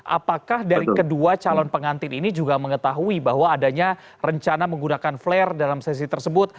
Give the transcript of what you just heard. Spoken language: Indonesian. apakah dari kedua calon pengantin ini juga mengetahui bahwa adanya rencana menggunakan flare dalam sesi tersebut